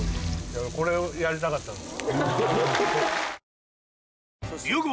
これをやりたかったんです。